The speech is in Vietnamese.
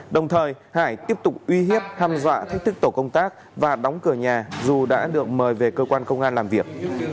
đồng thời hải tiếp tục uy hiếp hăm dọa thách thức tổ công tác và đóng cửa nhà dù đã được mời về cơ quan công an làm việc